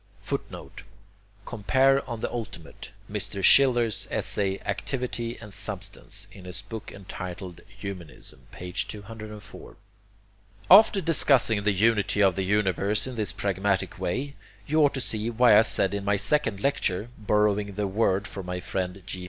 [Footnote: Compare on the Ultimate, Mr. Schiller's essay "Activity and Substance," in his book entitled Humanism, p. 204.] After discussing the unity of the universe in this pragmatic way, you ought to see why I said in my second lecture, borrowing the word from my friend G.